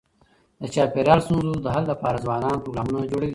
د چاپېریال ستونزو د حل لپاره ځوانان پروګرامونه جوړوي.